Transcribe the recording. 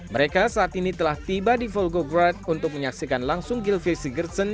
mereka saat ini telah tiba di volgograd untuk menyaksikan langsung gilvise gertsen